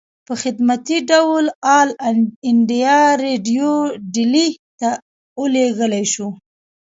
پۀ خدمتي ډول آل انډيا ريډيو ډيلي ته اوليږلی شو